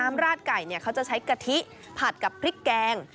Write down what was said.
น้ำราดไก่เนี่ยเขาจะใช้กะทิผัดกับพริกแกง